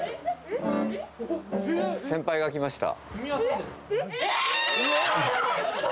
先輩が来ました。